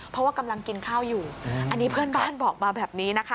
เพราะว่ากำลังกินข้าวอยู่อันนี้เพื่อนบ้านบอกมาแบบนี้นะคะ